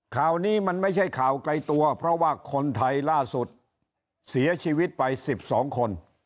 ข่าวนี้มันไม่ใช่ข่าวไกลตัวเพราะว่าคนไทยล่าสุดเสียชีวิตไป๑๒คน